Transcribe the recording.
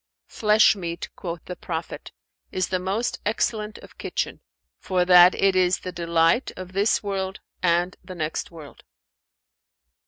"'Flesh meat' (quoth the Prophet) 'is the most excellent of kitchen; for that it is the delight of this world and the next world.'"